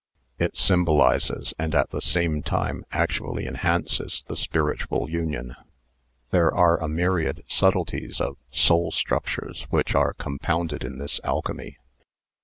It symbolises, and at the same time actually enhances, the spiritual union; there are a myriad subtleties of soul structures which are compounded in this alchemy.